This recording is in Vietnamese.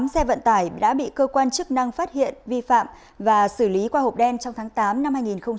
một mươi xe vận tải đã bị cơ quan chức năng phát hiện vi phạm và xử lý qua hộp đen trong tháng tám năm hai nghìn một mươi chín